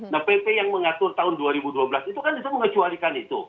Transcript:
nah pp yang mengatur tahun dua ribu dua belas itu kan bisa mengecualikan itu